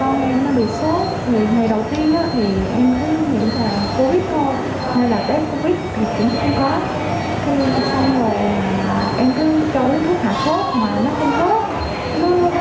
ngày đầu tiên thì em cứ hiện là covid thôi